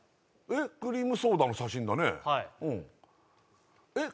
えっクリームソーダの写真だねえっ